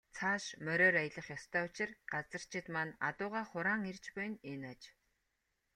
Цааш мориор аялах ёстой учир газарчид маань адуугаа хураан ирж буй нь энэ аж.